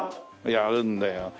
やるんだよ。